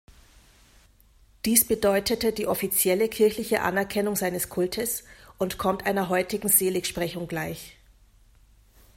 Dies bedeutete die offizielle kirchliche Anerkennung seines Kultes und kommt einer heutigen Seligsprechung gleich.